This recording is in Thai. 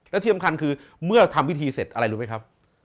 และที่สำคัญคือเมื่อทำพิธีเสร็จอะไรรู้ไหมครับ